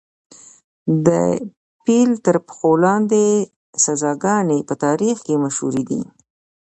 د پیل تر پښو لاندې سزاګانې په تاریخ کې مشهورې دي.